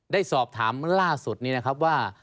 ได้สอบถามล่าสุดนี้นะครับว่า